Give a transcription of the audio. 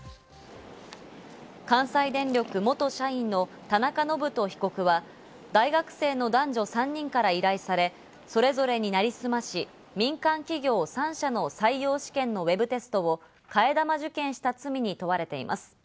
関西電力元社員の田中信人被告は、大学生の男女３人から依頼され、それぞれになりすまし、民間企業３社の採用試験のウェブテストを替え玉受験した罪に問われています。